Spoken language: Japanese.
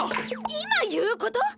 今言うこと